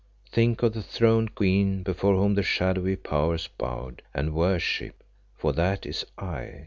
Think of the throned Queen before whom the shadowy Powers bowed and worship, for that is I.